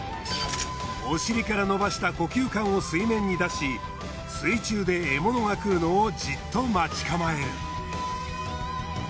お尻から伸ばした呼吸管を水面に出し水中で獲物が来るのをじっと待ち構える。